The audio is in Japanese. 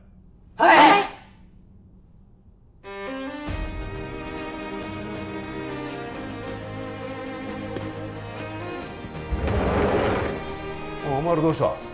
おいお前らどうした？